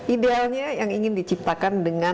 idealnya yang ingin diciptakan dengan